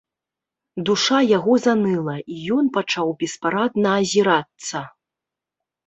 Душа яго заныла, і ён пачаў беспарадна азірацца.